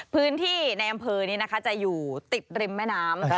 พื้นที่ในอำเภอนี้นะคะจะอยู่ติดริมแม่น้ำ